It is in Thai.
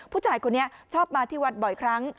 ผู้ชายคนนี้ชอบมาที่วัดบ่อยครั้ง